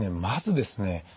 まずですね